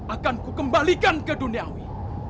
akanku kembalikan ke duniawi